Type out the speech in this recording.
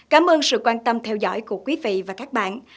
cảm ơn sự quan tâm theo dõi của quý vị và các bạn